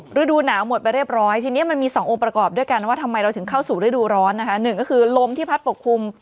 หรือดูร้อนนะคะหนึ่งก็คือลมที่พัดปกคลุม